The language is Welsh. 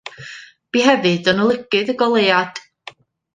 Bu hefyd yn olygydd Y Goleuad.